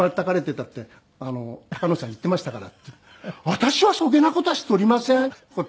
「私はそげな事はしておりません！」。